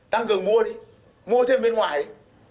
tăng cường mua đi mua thêm bên ngoài